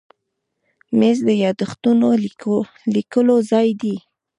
مېز د یاداښتونو لیکلو ځای دی.